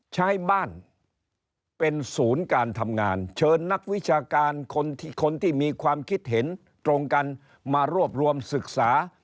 ใช้บ้านเป็นศูนย์การทำงานเชิญนักวิชาการคนที่มีความคิดเห็นตรงกันมารวบรวมศึกษา